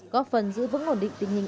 góp phần giữ vững nổn định tình hình